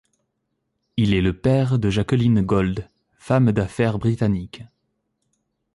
Il est le père de Jacqueline Gold, femme d'affaires britannique.